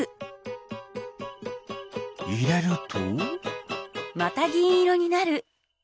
いれると？